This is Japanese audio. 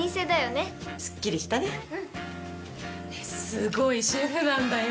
ねぇすごいシェフなんだよ